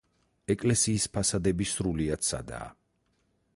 ეკლესიის ფასადები სრულიად სადაა.